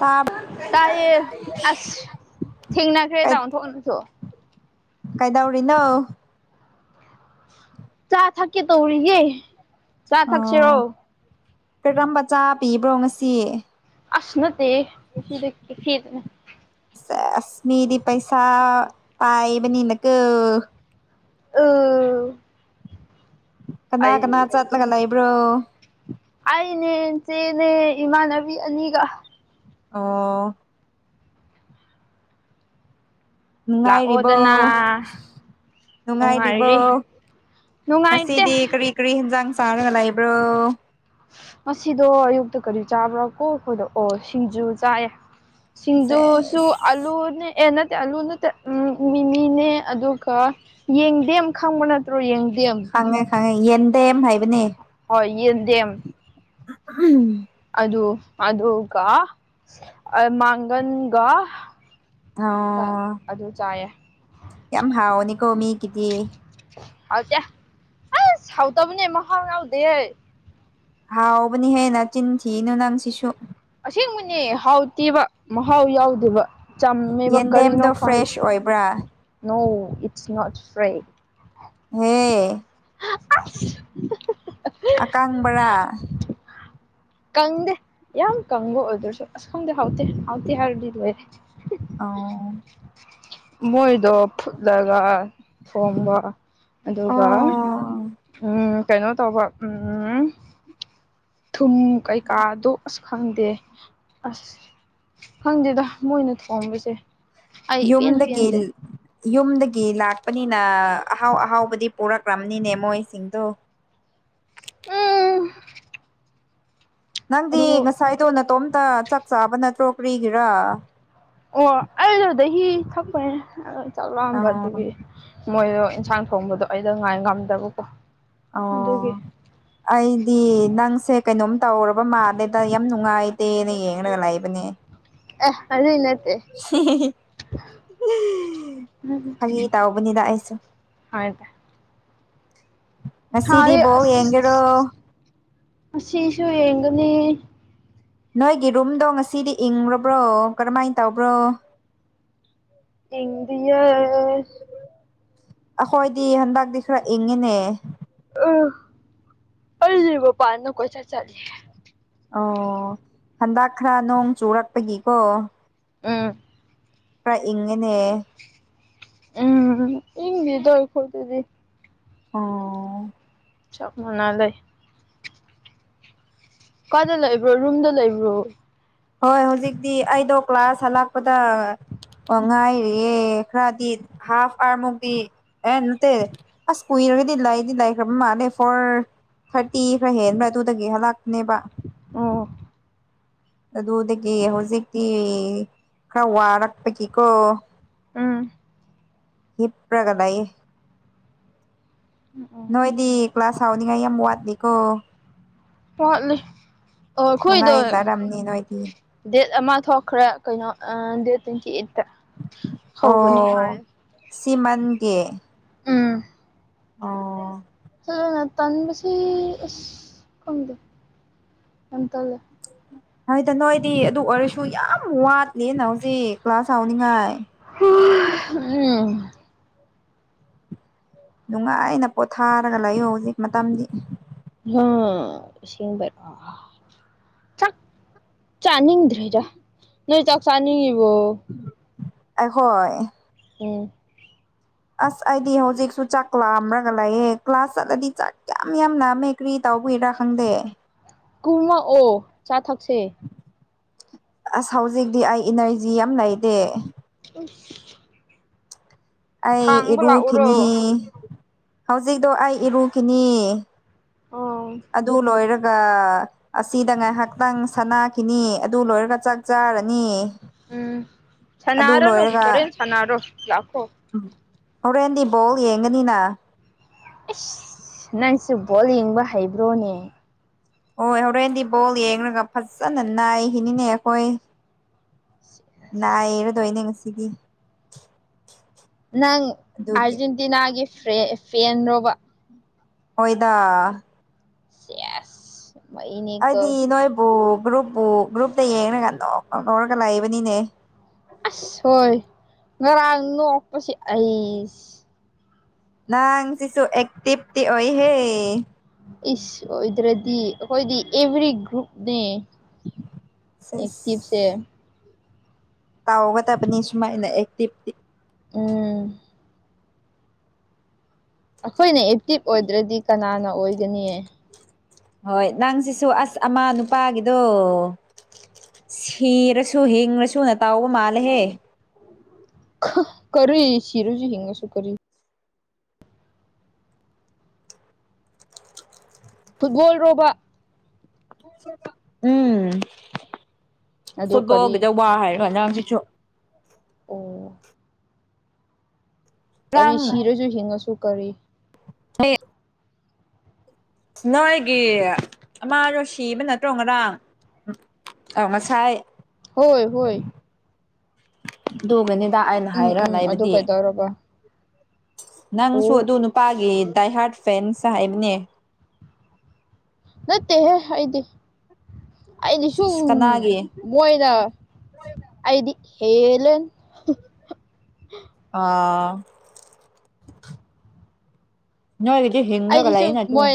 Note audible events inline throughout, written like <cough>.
ꯇꯥꯕ ꯇꯥꯏꯌꯦ ꯑꯁ ꯊꯦꯡꯅꯈ꯭ꯔꯦ ꯗꯥꯎꯟꯊꯣꯛ ꯅꯪꯁꯨ ꯀꯩꯗꯧꯔꯤꯅꯣ ꯆꯥ ꯊꯛꯀꯦ ꯇꯧꯔꯤꯌꯦ ꯆꯥ ꯊꯛꯁꯤꯔꯣ ꯑꯣ ꯀꯔꯝꯕ ꯆꯥ ꯄꯤꯕ꯭ꯔꯣ ꯉꯁꯤ ꯑꯁ ꯅꯠꯇꯦꯌꯦ ꯑꯁꯤꯗꯤ ꯀꯦꯐꯦꯗꯅꯦ ꯁꯦꯁ ꯃꯤꯗꯤ ꯄꯩꯁꯥ ꯄꯥꯏꯕꯅꯤꯅꯀꯣ ꯑꯧ ꯀꯅꯥ ꯀꯅꯥ ꯆꯠꯂꯒ ꯂꯩꯕ꯭ꯔꯣ ꯑꯩꯅꯦ ꯏꯟꯆꯦꯅꯦ ꯏꯃꯥꯟꯅꯕꯤ ꯑꯅꯤꯒ ꯑꯣ ꯅꯨꯡꯉꯥꯏꯔꯤꯕꯣ ꯂꯥꯛꯑꯣꯗꯅ ꯅꯨꯡꯉꯥꯏꯔꯤꯕꯣ ꯅꯨꯡꯉꯥꯏꯔꯤ ꯅꯨꯡꯉꯥꯏꯇꯦ ꯉꯁꯤꯗꯤ ꯀꯔꯤ ꯀꯔꯤ ꯍꯦꯟꯖꯥꯡ ꯆꯥꯔꯒ ꯂꯩꯕ꯭ꯔꯣ ꯉꯁꯤꯗꯣ ꯑꯌꯨꯛꯇ ꯀꯔꯤ ꯆꯥꯕ꯭ꯔꯥ ꯀꯣ ꯈꯣꯏꯗ ꯑꯣ ꯁꯤꯡꯖꯨ ꯆꯥꯏꯌꯦ ꯁꯤꯡꯖꯨꯁꯨ ꯁꯦꯁ ꯑꯂꯨꯅꯤ ꯑꯦ ꯅꯠ ꯇꯦ ꯑꯂꯨ ꯅꯠꯇꯦ ꯎꯝ ꯃꯤꯃꯤꯅꯦ ꯑꯗꯨꯒ ꯌꯦꯡꯗꯦꯝ ꯈꯪꯕ ꯅꯠ ꯈꯪꯉꯦ ꯈꯪꯉꯦ ꯌꯦꯟꯗꯦꯝ ꯍꯥꯏꯕꯅꯦ ꯍꯣꯏ ꯌꯦꯟꯗꯦꯝ <unintelligible> ꯑꯗꯨ ꯑꯗꯨꯒ ꯃꯥꯡꯒꯟꯒ ꯀ ꯑꯣ ꯑꯗꯨ ꯆꯥꯏꯌꯦ ꯌꯥꯝ ꯍꯥꯎꯅꯤꯀꯣ ꯃꯤꯒꯤꯗꯤ ꯍꯥꯎꯇꯦ ꯑꯁ ꯍꯥꯎꯇꯕꯅꯦ ꯃꯍꯥꯎ ꯌꯥꯎꯗꯦꯌꯦ ꯍꯥꯎꯕꯅꯤ ꯍꯦ ꯅꯆꯤꯟ ꯊꯤꯅꯨ ꯅꯪ ꯁꯤꯁꯨ ꯑꯁꯦꯡꯕꯅꯦ ꯍꯥꯎꯇꯦꯕ ꯃꯍꯥꯎ ꯌꯥꯎꯗꯦꯕ ꯆꯝꯃꯦꯕ ꯌꯦꯟꯗꯦꯝꯗꯣ ꯀꯔꯤꯅꯣ ꯈꯪ ꯐ꯭ꯔꯦꯁ ꯑꯣꯏꯕ꯭ꯔꯥ ꯅꯣ ꯏꯠꯁ ꯅꯣꯠ ꯐ꯭ꯔꯦ ꯍꯦ ꯑꯁ ꯑꯀꯪꯕ꯭ꯔꯥ ꯀꯪꯗꯦ ꯌꯥꯝ ꯀꯪꯕ ꯑꯣꯏꯗ꯭ꯔꯁꯨ ꯑꯁ ꯈꯪꯗꯦ ꯍꯥꯎꯇꯦ ꯍꯥꯎꯇꯦ ꯍꯥꯏꯔꯗꯤ ꯂꯣꯏꯔꯦ ꯃꯣ ꯗꯣ ꯐꯨꯠꯂꯒ ꯊꯣꯡꯕ ꯑꯗꯨꯒ ꯎꯝ ꯀꯩꯅꯣ ꯇꯧꯕ ꯎꯝ ꯊꯨꯝ ꯀꯩꯀꯥꯗꯣ ꯑꯁ ꯈꯪꯗꯦ ꯑꯁ ꯈꯪꯗꯦꯗ ꯃꯣꯏꯅ ꯊꯣꯡꯕꯁꯦ ꯑꯩ ꯏꯄꯦꯟ ꯌꯨꯝꯗꯒꯤ ꯄꯦꯟꯗꯦ ꯌꯨꯝꯗ ꯒꯤ ꯂꯥꯛꯄꯅꯤꯅ ꯑꯍꯥꯎ ꯑꯍꯥꯎꯕꯗꯤ ꯄꯣꯔꯛꯔꯝꯅꯤꯅꯦ ꯃꯣꯏꯁꯤꯡꯗꯣ ꯎꯝ ꯅꯪꯗꯤ ꯑꯗꯨꯕꯨ ꯉꯁꯥꯏꯗꯣ ꯅꯇꯣꯝꯇ ꯆꯥꯛ ꯆꯥꯕ ꯅꯠꯇ꯭ꯔꯣ ꯀꯔꯤꯒꯤꯔꯥ ꯑꯣ ꯑꯩꯗꯨ ꯗꯍꯤ ꯊꯛꯄ ꯆꯥꯛ ꯑ ꯂꯥꯝꯕ ꯑꯗꯨꯒꯤ ꯃꯣꯏꯗꯣ ꯏꯟꯁꯥꯡ ꯊꯣꯡꯕꯗꯣ ꯑꯩꯗꯣ ꯉꯥꯏ ꯉꯝꯗꯕꯀꯣ ꯑꯣ ꯑꯗꯨꯒꯤ ꯑꯩꯗꯤ ꯅꯪꯁꯦ ꯀꯩꯅꯣꯝ ꯇꯧꯔꯕ ꯃꯥꯜꯂꯦ ꯌꯥꯝ ꯅꯨꯡꯉꯥꯏꯇꯦꯅ ꯌꯦꯡꯔꯒ ꯂꯩꯕꯅꯦ ꯑ ꯑꯗꯨꯏ ꯅꯇ ꯐꯥꯒꯤ ꯇꯧꯕꯅꯤꯅ ꯑꯩꯁꯨ ꯍꯣꯏꯗ ꯉꯁꯤꯗꯤ ꯁꯥꯏꯌꯦ ꯕꯣꯜ ꯑꯁ ꯌꯦꯡꯒꯦꯔꯣ ꯑꯁꯤꯁꯨ ꯌꯦꯡꯒꯅꯤ ꯅꯣꯏꯒꯤ ꯔꯨꯝꯗꯣ ꯉꯁꯤꯗꯤ ꯏꯪꯔꯕ꯭ꯔꯣ ꯀꯔꯝꯍꯥꯏ ꯇꯧꯕ꯭ꯔꯣ ꯏꯪꯗꯤꯌꯦ ꯑꯩꯈꯣꯏꯗꯤ ꯍꯟꯗꯛꯇꯤ ꯈꯔ ꯏꯪꯉꯤꯅꯦ ꯑ ꯑꯩꯗꯤ ꯃꯄꯥꯟꯗ ꯀꯣꯏꯆꯠ ꯆꯠꯂꯤ ꯑꯣ ꯍꯟꯗꯛ ꯈꯔ ꯅꯣꯡ ꯆꯨꯔꯛꯄꯒꯤꯀꯣ ꯎꯝ ꯈꯔ ꯏꯪꯉꯦꯅꯦ ꯎꯝ ꯏꯪꯗꯦꯗ ꯑꯩꯈꯣꯏꯗꯗꯤ ꯑꯣ ꯆꯞ ꯃꯅꯥ ꯂꯩ ꯀꯣꯏꯗ ꯂꯩꯕ꯭ꯔꯣ ꯔꯨꯝꯗ ꯂꯩꯕ꯭ꯔꯣ ꯍꯣꯏ ꯍꯧꯖꯤꯛꯇꯤ ꯑꯩꯗꯣ ꯀ꯭ꯂꯥꯁ ꯍꯂꯛꯄꯗ ꯑꯣꯉꯥꯏꯔꯤꯌꯦ ꯈꯔꯗꯤ ꯍꯥꯐ ꯑꯔꯃꯨꯛꯇꯤ ꯑꯦ ꯅꯠꯇꯦ ꯑꯁ ꯀꯨꯏꯔꯒꯗꯤ ꯂꯥꯏꯗꯤ ꯂꯥꯏꯈ꯭ꯔꯕ ꯃꯥꯂꯦ ꯐꯣꯔ ꯊꯥꯔꯇꯤ ꯈꯔ ꯍꯦꯟꯕ꯭ꯔꯥ ꯑꯗꯨꯗꯒꯤ ꯍꯜꯂꯛꯄꯅꯦꯕ ꯑꯣ ꯑꯗꯨꯗꯒꯤ ꯍꯧꯖꯤꯛꯇꯤ ꯈꯔ ꯋꯥꯔꯛꯄꯒꯤꯀꯣ ꯎꯝ ꯍꯤꯄ꯭ꯔꯒ ꯂꯩꯌꯦ ꯎꯝ ꯎꯝ ꯅꯣꯏꯗꯤ ꯀ꯭ꯂꯥꯁ ꯍꯥꯎꯅꯤꯉꯥꯏ ꯌꯥꯝ ꯋꯥꯠꯂꯤꯀꯣ ꯋꯥꯠꯂꯤ ꯑꯣ ꯑꯩꯈꯣꯏꯗꯣ ꯅꯨꯡꯉꯥꯏꯖꯔꯝꯅꯤ ꯅꯣꯏꯗꯤ ꯗꯦꯠ ꯑꯃ ꯊꯣꯛꯈ꯭ꯔꯦ ꯀꯩꯅꯣ ꯑ ꯗꯦꯠ ꯇ꯭ꯋꯦꯟꯇꯤ ꯑꯩꯠ ꯇ ꯍꯧꯒꯅꯤ ꯍꯥꯏꯌꯦ ꯁꯤꯃꯟ ꯒꯤ ꯑꯣ ꯍꯅ ꯇꯥꯟꯕꯁꯤ ꯑꯁ ꯈꯡꯗꯦ ꯌꯥꯝ ꯇꯜꯂꯦ ꯍꯗ ꯅꯣꯏꯗꯤ ꯑꯗꯨ ꯑꯣꯏꯔꯁꯨ ꯌꯥꯝ ꯋꯥꯠꯂꯦꯅ ꯍꯧꯖꯤꯛ ꯀ꯭ꯂꯥꯁ ꯍꯥꯎꯅꯤꯡꯉꯥꯏ ꯎꯝ ꯅꯨꯡꯉꯥꯏꯅ ꯄꯣꯊꯥꯔꯒ ꯂꯩꯥꯌꯨ ꯍꯧꯖꯤꯛ ꯃꯇꯝꯗꯤ ꯑꯁꯦꯡꯕꯩꯔꯣ ꯆꯥꯛ ꯆꯥꯅꯤꯡꯗ꯭ꯔꯤꯗ ꯅꯣꯏ ꯆꯥꯛ ꯆꯥꯅꯤꯡꯉꯤꯕꯣ ꯑꯍꯣꯏ ꯎꯝ ꯑꯁ ꯑꯩꯗꯤ ꯍꯧꯖꯤꯛꯁꯨ ꯆꯥꯛ ꯂꯥꯝꯔꯒ ꯂꯥꯛꯑꯦ ꯀ꯭ꯂꯥꯁ ꯆꯠꯂꯗꯤ ꯆꯥꯛ ꯌꯥꯝ ꯌꯥꯝ ꯂꯥꯃꯦ ꯀ꯭ꯔꯤ ꯇꯧ ꯇꯥꯎꯕꯩꯔ ꯈꯪꯗꯦ ꯀꯨꯝꯃꯛ ꯑꯣ ꯆꯥ ꯊꯛꯁꯦ ꯑꯁ ꯍꯧꯖꯤꯛꯇꯤ ꯑꯩ ꯏꯅꯔꯖꯤ ꯌꯥꯝ ꯂꯩꯇꯦ <unintelligible> ꯑꯩ ꯊꯥꯡꯕ ꯂꯥꯛꯎꯔꯣ ꯏꯔꯨꯈꯤꯅꯤ ꯍꯧꯖꯤꯛꯇꯣ ꯑꯩ ꯏꯔꯨꯈꯤꯅꯤ ꯑꯣ ꯑꯗꯨ ꯂꯣꯏꯔꯒ ꯑꯁꯤꯗ ꯉꯥꯏꯍꯥꯛꯇꯪ ꯁꯅꯥꯈꯤꯅꯤ ꯑꯗꯨ ꯂꯣꯏꯔꯒ ꯆꯥꯛ ꯆꯥꯔꯅꯤ ꯎꯝ ꯁꯅꯔꯅꯨ ꯍꯣꯔꯦꯟ ꯁꯅꯔꯣ ꯂꯥꯛ ꯎ ꯍꯣꯔꯦꯟ ꯗꯤ ꯕꯣꯜ ꯌꯦꯡꯒꯅꯤꯅ ꯑꯁ ꯅꯪꯁꯨ ꯕꯣꯜ ꯌꯦꯡꯕ ꯍꯩꯕ꯭ꯔꯣꯅꯦ ꯍꯣꯏ ꯍꯣꯔꯦꯟꯗꯤ ꯕꯣꯜ ꯌꯦꯡꯂꯡꯉꯒ ꯐꯖꯅ ꯅꯥꯏꯈꯤꯅꯤꯅꯦ ꯑꯩꯈꯣꯏ ꯅꯥꯏ ꯔꯗꯣꯏꯅꯦ ꯉꯁꯤꯗꯤ ꯅꯪ ꯑꯗꯨꯒꯤ ꯑꯥꯔꯖꯦꯟꯇꯤꯅꯥꯒꯤ ꯐꯦꯟ ꯔꯣꯕ ꯑꯣꯏꯗ ꯑꯦꯁ ꯑꯩꯗꯤ ꯅꯣꯏꯕꯨ ꯒ꯭ꯔꯨꯞꯄꯨ ꯒ꯭ꯔꯨꯞꯇ ꯌꯦꯡꯉꯒꯥ ꯅꯣꯛꯄ ꯂꯧꯔꯒ ꯂꯩꯥꯏꯕꯅꯤꯅꯦ ꯑꯁ ꯍꯣꯏ ꯉꯔꯥꯡ ꯅꯣꯛꯄꯁꯤ ꯑꯩꯁ ꯅꯡ ꯁꯤꯁꯨ ꯑꯦꯛꯇꯤꯞꯇꯤ ꯑꯣꯏꯍꯦ ꯏꯁ ꯑꯣꯏꯗ꯭ꯔꯗꯤ ꯑꯩꯈꯣꯏꯗꯤ ꯑꯦꯚ꯭ꯔꯤ ꯒ꯭ꯔꯨꯞꯅꯦ ꯑꯦꯛꯛꯇꯤꯚꯁꯦ ꯇꯥꯎꯑꯣꯒꯕꯅꯤꯁꯨꯨꯃꯥꯏꯅ ꯑꯦꯛꯇꯤꯚꯇꯤ ꯎꯝ ꯑꯩꯈꯣꯏꯅ ꯑꯦꯛꯇꯤꯞ ꯑꯣꯏꯗ꯭ꯔꯗꯤ ꯀꯅꯥꯅ ꯑꯣꯏꯒꯅꯤꯌꯦ ꯍꯣꯏ ꯅꯪ ꯁꯤꯁꯨ ꯑꯁ ꯑꯃꯥ ꯅꯨꯄꯥꯒꯤꯗꯣ ꯁꯤꯔꯁꯨ ꯍꯤꯡꯉꯁꯨ ꯅ ꯇꯥꯎꯕ ꯃꯥꯜꯂꯦꯍꯦ ꯀꯔꯤ ꯁꯤꯔꯁꯨ ꯍꯤꯡꯂꯁꯨ ꯀꯔꯤ ꯐꯨꯠꯕꯣꯜ ꯔꯣꯕ ꯎꯝ ꯑꯗꯨ ꯀꯔꯤ ꯐꯨꯠꯕꯣꯜꯒꯤꯗ ꯋꯥ ꯍꯥꯏꯔꯣ ꯅꯪꯁꯤꯁꯨ ꯑꯣ ꯀꯔꯤ ꯁꯤꯔꯁꯨ ꯍꯤꯡꯉꯁꯨ ꯀꯔꯤ ꯅꯦ ꯅꯣꯏꯒꯤ ꯑꯃꯥꯗꯣ ꯁꯤꯕ ꯅꯠꯇ꯭ꯔꯣ ꯉꯔꯥꯡ ꯑꯥ ꯉꯁꯥꯏ ꯍꯣꯏ ꯍꯣꯏ ꯑꯗꯨꯒꯅꯤꯗ ꯑꯩꯅ ꯎꯝ ꯍꯥꯏꯔ ꯎꯝ ꯑꯗꯨ ꯂꯩꯕꯗꯤ ꯀꯩꯗꯧꯔꯕ ꯅꯪꯁꯨ ꯑꯣ ꯑꯗꯨ ꯅꯨꯄꯥꯒꯤ ꯗꯥꯏꯍꯔꯠ ꯐꯦꯟꯁ ꯔꯍꯥꯢꯕꯅꯦ ꯅꯠꯇꯦꯍꯦ ꯑꯩꯗꯤ ꯑꯩꯗꯤ ꯁꯨꯝ ꯁꯤꯁ ꯀꯅꯥꯒꯤ ꯃꯣꯏꯅ ꯑꯩꯗꯤ ꯍꯦꯂꯦꯟ ꯑꯥ ꯅꯣꯏꯒꯤꯗꯤ ꯍꯤꯡꯂꯒ ꯂꯩꯌꯦ ꯅ ꯑꯗꯨꯝ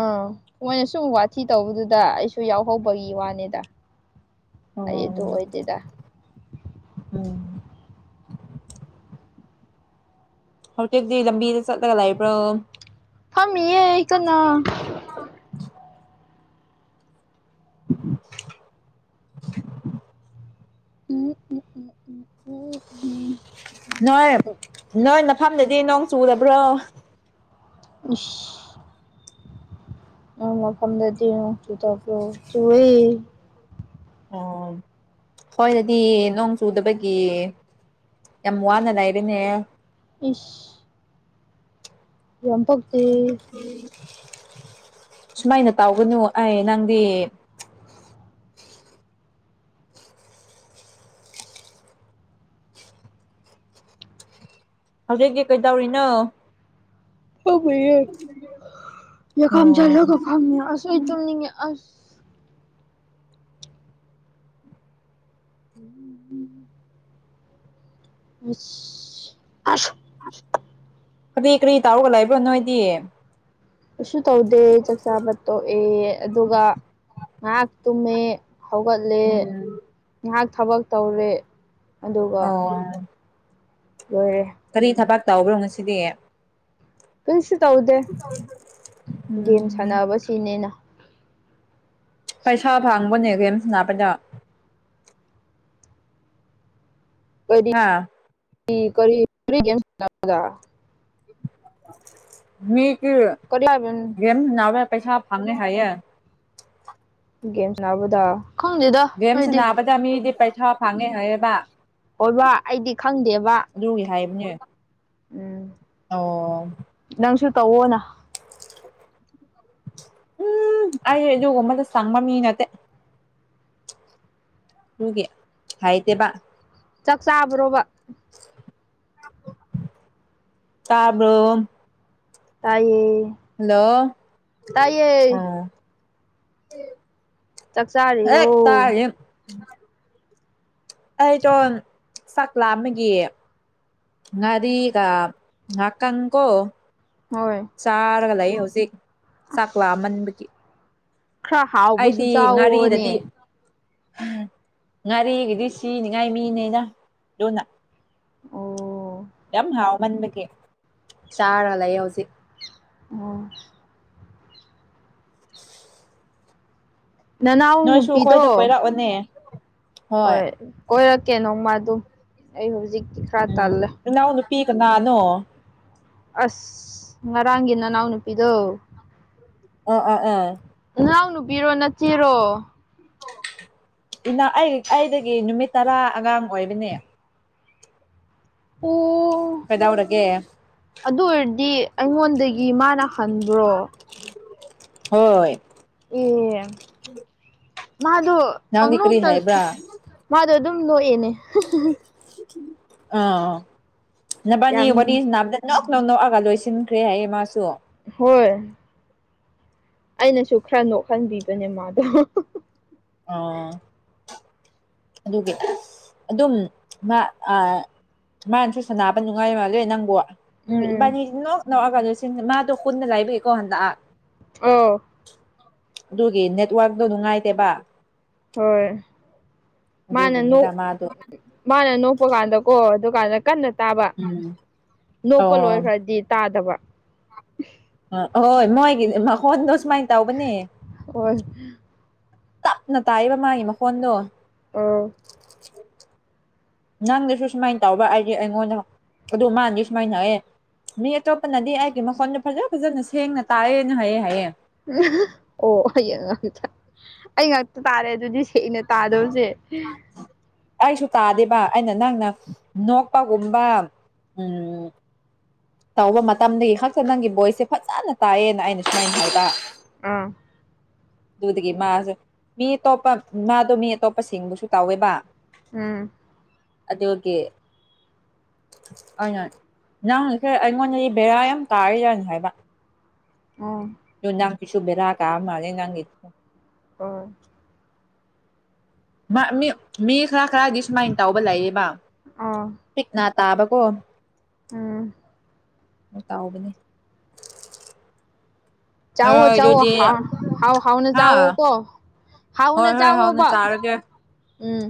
ꯑꯧ ꯃꯣꯏꯅ ꯁꯨꯝ ꯋꯥꯊꯤ ꯇꯧꯕꯗꯨꯗ ꯑꯩꯁꯨ ꯌꯥꯎꯍꯧꯕꯒꯤ ꯋꯥꯅꯤꯗ ꯑꯩ ꯑꯣ ꯑꯗꯨ ꯑꯣꯏꯗꯦꯗ ꯎꯝ ꯍꯧꯖꯤꯛꯇꯤ ꯂꯝꯕꯤꯗ ꯆꯠꯂꯒ ꯂꯩꯕ꯭ꯔꯣ ꯐꯝꯃꯤꯌꯦ ꯑꯩ ꯀꯟꯅ <unintelligible> <unintelligible> ꯎꯝ ꯎꯝ ꯎ ꯎꯝ ꯎꯝ ꯎꯝ ꯅꯣꯏ ꯅꯣꯏ ꯃꯐꯝꯗꯗꯤ ꯅꯣꯡ ꯆꯨꯗꯔꯕ꯭ꯔꯣ ꯎꯁ ꯅꯣꯢ ꯃꯐꯝꯗꯗꯤ ꯅꯣꯡ ꯆꯨꯗꯕꯔꯣ ꯆꯨꯌꯦ ꯑꯣ ꯍꯣꯏ ꯗꯗꯤ ꯅꯣꯡ ꯆꯨꯗꯕꯒꯤ ꯌꯥꯝ ꯋꯥꯅ ꯂꯩꯔꯦꯅꯦ ꯏꯁ ꯌꯥꯝ ꯄꯥꯛꯇꯦ ꯁꯨꯃꯥꯏꯅ ꯇꯧꯒꯅꯨ ꯑꯩ ꯅꯪꯗꯤ <unintelligible> ꯍꯧꯖꯤꯛꯀꯤ ꯀꯩ ꯇꯧꯔꯤꯅꯣ ꯇꯨꯝꯃꯤꯌꯦ ꯌꯀꯥꯝ ꯑꯣ ꯆꯜꯂꯒ ꯐꯝ ꯃꯤꯌꯦ ꯑꯁ ꯑꯩ ꯇꯨꯝꯅꯤꯡꯉꯦ ꯑꯁ ꯎꯝ ꯑꯁ ꯑꯁ ꯀꯔꯤ ꯀꯔꯤ ꯇꯧꯔꯒ ꯂꯩꯕ꯭ꯔꯣ ꯅꯣꯏꯗꯤ ꯀꯩꯁꯨ ꯇꯧꯗꯦ ꯆꯥꯛ ꯆꯥꯕ ꯇꯣꯛꯑꯦ ꯑꯗꯨꯒ ꯉꯥꯏꯍꯥꯛ ꯇꯨꯝꯃꯦ ꯍꯧꯒꯠꯂꯦ ꯎꯝ ꯉꯥꯏꯍꯥꯛ ꯊꯕꯛ ꯇꯧꯔꯦ ꯑꯣ ꯂꯣꯢꯔꯦ ꯇꯥꯎꯕ꯭ꯔꯣ ꯉꯁꯤꯗꯤ ꯀꯔꯤꯁꯨ ꯇꯧꯗꯦ ꯒꯦꯝ ꯎꯝ ꯁꯥꯟꯅꯕꯁꯤꯅꯦꯅ ꯄꯩꯁꯥ ꯐꯥꯡꯕꯅꯦ ꯒꯦꯝ ꯁꯟꯅꯕꯗ ꯍꯥ ꯀꯔꯤ ꯀꯔꯤ ꯒꯦꯝ ꯁꯟꯅꯕꯗ ꯃꯤ ꯀꯤ ꯀꯔꯤ ꯍꯥꯏꯕ ꯒꯦꯝ ꯁꯟꯅꯕꯗ ꯄꯩꯁꯥ ꯐꯪꯉꯦ ꯍꯥꯢꯌꯦ ꯒꯦꯝ ꯁꯟꯅꯕꯗ ꯚꯦꯝꯁ ꯁꯅꯥꯕꯗ ꯃꯤꯗꯤ ꯄꯩꯁꯥ ꯐꯪꯉꯦ ꯍꯥꯏꯌꯦꯕ ꯍꯣꯕ ꯑꯩꯗꯤ ꯈꯪꯗꯦꯕ ꯑꯦ ꯎꯝ ꯅꯪꯁꯨ ꯇꯧꯋꯣꯅ ꯎꯝ ꯑꯩ ꯑꯗꯨꯒꯨꯝꯕꯗ ꯆꯪꯕ ꯃꯤ ꯅꯠꯇꯦ ꯇꯨꯒꯤ ꯍꯥꯏꯇꯦꯕꯥ ꯆꯥꯛ ꯆꯥꯕ꯭ꯔꯣꯕ ꯇꯥꯕ꯭ꯔꯣ ꯇꯥꯏꯌꯦ ꯍꯜꯂꯣ ꯇꯥꯏꯌꯦ ꯑꯥ ꯆꯥꯛ ꯍꯦꯛ ꯆꯥꯔꯤꯔꯣ ꯇꯥꯔꯤ ꯑꯩꯗꯣ ꯆꯛꯂꯥꯃꯕꯒꯤ ꯉꯔꯤꯒ ꯉꯀꯪꯀꯣ ꯍꯣꯏ ꯆꯥꯔꯒ ꯂꯩ ꯍꯧꯖꯤꯛ ꯆꯥꯛꯂꯥꯃꯟꯕꯒꯤ ꯈꯔ ꯍꯥꯎꯕꯁꯨ ꯑꯩꯗꯤ ꯆꯥꯎꯋꯣꯅꯦ ꯉꯥꯔꯤꯗꯗꯤ ꯉꯥꯔꯤ ꯒꯤꯗꯤ ꯁꯤꯅꯤꯉꯥꯏ ꯃꯤꯅꯦꯅ ꯑꯗꯨꯅ ꯑꯣ ꯌꯥꯝ ꯍꯥꯎꯃꯟꯕꯒꯤ ꯆꯥꯔ ꯂꯩ ꯍꯧꯖꯤꯛ ꯑꯣ ꯅꯅꯥꯎ ꯅꯣꯏꯁꯨ ꯅꯨꯄꯤꯗꯣ ꯑꯩꯈꯣꯏꯗ ꯀꯣꯏꯔꯛꯑꯣꯅꯦ ꯍꯣꯏ ꯀꯣꯏꯔꯛꯀꯦ ꯅꯣꯡꯃꯗ ꯑꯩ ꯍꯧꯖꯤꯛ ꯎꯝ ꯏꯅꯥꯎ ꯅꯨꯄꯤ ꯀꯅꯥꯅꯣ ꯑꯁ ꯉꯔꯥꯡꯒꯤ ꯅꯅꯥꯎꯅꯨꯄꯤꯗꯣ ꯑꯥ ꯑꯥ ꯑꯥ ꯅꯨꯄꯤꯔꯣ ꯅꯆꯦꯔꯣ ꯑꯩ ꯑꯩꯗꯒꯤ ꯅꯨꯃꯤꯠ ꯇꯔꯥ ꯑꯉꯥꯡ ꯑꯣꯏꯕꯅꯦ ꯑꯣ ꯑꯣ ꯀꯩꯗꯧꯔꯒꯦ ꯑꯗꯨ ꯑꯣꯏꯔꯗꯤ ꯑꯩꯉꯣꯟꯗꯒꯤ ꯃꯥꯅ ꯍꯟꯕ꯭ꯔꯣ ꯍꯣꯏ ꯑꯦ ꯃꯥꯗꯣ ꯅꯪꯗꯤ ꯀꯔꯤ ꯄꯪꯅꯣꯛꯇ ꯃꯥ ꯍꯥꯏꯕ꯭ꯔꯥ ꯃꯗꯣ ꯑꯗꯨꯝ ꯅꯣꯛꯑꯦꯅꯦ ꯑꯣ ꯅꯕꯅꯤ ꯌꯥꯝ ꯋꯥꯔꯤ ꯁꯅꯥꯕꯗ ꯅꯣꯛ ꯅꯧ ꯅꯣꯛꯑꯒ ꯂꯣꯏꯁꯤꯟꯈ꯭ꯔꯦ ꯍꯥꯏꯌꯦ ꯃꯥꯁꯨ ꯍꯣꯏ ꯑꯩꯅꯁꯨ ꯈꯔ ꯅꯣꯛꯍꯟꯕꯤꯕꯅꯦ ꯃꯥꯗꯣ ꯑꯣ ꯑꯗꯨꯒꯤ ꯑꯗꯨꯝ ꯃꯥ ꯑꯥ ꯃꯥꯅꯁꯨ ꯁꯥꯟꯅꯕ ꯅꯨꯡꯉꯥꯏ ꯃꯥꯜꯂꯦ ꯅꯪꯕꯨ ꯎꯝ ꯏꯕꯥꯅꯤ ꯅꯣꯛ ꯅꯣꯛꯑꯒꯗ ꯃꯥꯗꯣ ꯀꯨꯟꯅ ꯂꯥꯏꯕꯒꯤꯀꯣ ꯍꯟꯗꯛ ꯑꯣ ꯑꯗꯨꯒꯤ ꯅꯦꯠꯋꯔꯛꯇꯨ ꯅꯨꯡꯉꯥꯏꯇꯦꯕ ꯍꯣꯏ ꯃꯥꯅ ꯅꯣꯛ ꯑꯗꯨꯒꯤꯅꯤꯗ ꯃꯥꯗꯣ ꯃꯥꯅ ꯅꯣꯛꯄ ꯀꯥꯟꯗꯀꯣ ꯑꯗꯨꯀꯥꯟꯗ ꯀꯟꯅ ꯇꯥꯕ ꯎꯝ ꯅꯣꯛꯄ ꯑꯣ ꯂꯣꯏꯈ꯭ꯔꯗꯤ ꯇꯥꯗꯕ ꯑꯥ ꯍꯣꯏ ꯃꯣꯏꯒꯤ ꯃꯈꯣꯟꯗꯣ ꯁꯨ ꯑꯣ ꯇꯞꯅ ꯇꯥꯏꯕ ꯃꯥꯒꯤ ꯃꯈꯣꯟꯗꯣ ꯑꯣ ꯅꯪꯗꯁꯨ ꯁꯨꯃꯥꯏꯅ ꯇꯧꯕ ꯍꯥꯏꯗꯤ ꯑꯩꯉꯣꯟꯗ ꯑꯗꯨ ꯃꯥꯅꯗꯤ ꯁꯨꯃꯥꯏꯅ ꯍꯥꯏꯑꯦ ꯃꯤ ꯑꯇꯣꯞꯄꯅꯗꯤ ꯑꯩꯒꯤ ꯃꯈꯣꯟꯗꯣ ꯐꯖ ꯐꯖꯅ ꯁꯦꯡꯅ ꯇꯥꯏꯑꯦꯅ ꯍꯥꯏꯌꯦ ꯍꯥꯏꯌꯦ ꯑꯣ ꯍꯌꯦꯡ ꯑꯩ ꯉꯥꯛ ꯇꯥꯔꯦ ꯑꯗꯨꯗꯤ ꯁꯦꯡꯅ ꯇꯥꯗꯕꯁꯦ ꯑꯩꯁꯨ ꯇꯥꯗꯦꯕ ꯑꯩꯅ ꯅꯪꯅ ꯅꯣꯛꯄꯒꯨꯝꯕ ꯎꯝ ꯇꯧꯕ ꯃꯇꯝꯗꯒꯤꯈꯛꯇ ꯅꯪꯒꯤ ꯚꯣꯏꯁꯁꯦ ꯐꯖꯅ ꯇꯥꯏꯑꯌꯦꯅꯑꯩꯅ ꯁꯨꯃꯥꯏꯅꯍꯥꯏꯕ ꯑꯥ ꯑꯗꯨꯗꯒꯤ ꯃꯥꯖꯨ ꯃꯤ ꯑꯇꯣꯞꯄ ꯃꯥꯗꯣ ꯃꯤ ꯑꯇꯣꯞꯄ ꯁꯤꯡꯕꯨꯖꯨ ꯇꯧꯋꯦꯕ ꯎꯪꯝ ꯑꯥꯗꯨꯒꯤ ꯑꯩꯅ ꯅꯪꯖꯦ ꯑꯩꯉꯣꯟꯗꯗꯤ ꯕꯦꯔꯥ ꯌꯥꯝ ꯇꯥꯔꯤꯌꯥꯅ ꯍꯥꯏꯕ ꯎꯪ ꯗꯣ ꯅꯪꯒꯤꯁꯨ ꯕꯦꯔꯥ ꯇꯥꯔꯃꯥꯜꯂꯦ ꯅꯪꯒꯤ ꯑꯣꯑꯣ ꯃꯥ ꯃꯤ ꯃꯤ ꯈꯔ ꯈꯔꯗꯤ ꯁꯨꯃꯥꯏꯅ ꯇꯧꯕ ꯂꯩꯌꯦꯕ ꯄꯤꯛꯅ ꯇꯥꯕꯀꯣ ꯎꯪꯎꯪ ꯇꯧꯕꯅꯤ ꯆꯥꯑꯣ ꯆꯥꯑꯣ ꯍꯥꯎ ꯍꯥꯎꯅ ꯍꯥꯥ ꯆꯥꯑꯣꯀꯣ ꯍꯥꯎꯅ ꯍꯣꯏ ꯍꯣꯏ ꯍꯥꯎꯅ ꯆꯥꯎꯑꯣꯕ ꯆꯥꯔꯒꯦ ꯎꯝ